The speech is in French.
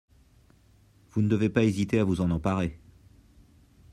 Vous ne devez pas hésiter à vous en emparer.